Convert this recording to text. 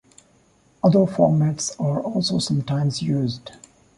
Other formats are also sometimes used.